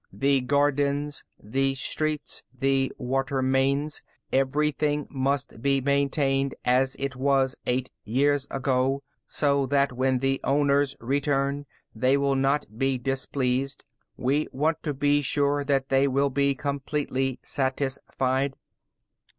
The gardens, the streets, the water mains, everything must be maintained as it was eight years ago, so that when the owners return, they will not be displeased. We want to be sure that they will be completely satisfied."